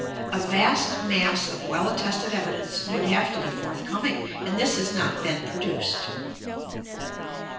A vast mass of well attested evi dence would have to be forthcoming, and this has not been produced.